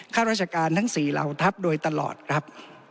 ข้าราชการทั้ง๔เหล่าทัพโดยตลอดครับ